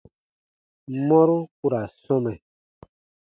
Mɔru ku ra sɔmɛ.